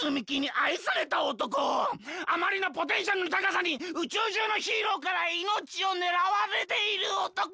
あまりのポテンシャルのたかさにうちゅうじゅうのヒーローからいのちをねらわれているおとこ！